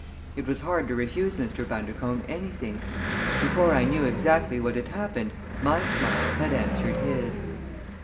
It was hard to refuse Mr. Bundercombe anything. Before I knew exactly what had happened, my smile had answered his.